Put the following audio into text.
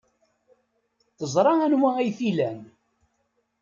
Teẓra anwa ay t-ilan.